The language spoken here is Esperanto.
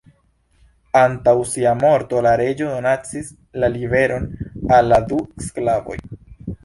Antaŭ sia morto, la reĝo donacis la liberon al la du sklavoj.